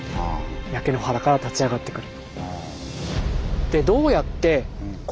焼け野原から立ち上がってくる。